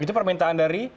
itu permintaan dari